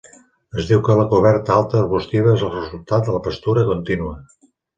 Es diu que la coberta alta arbustiva és el resultat de la pastura contínua.